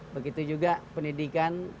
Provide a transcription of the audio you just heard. begitu juga pendidikan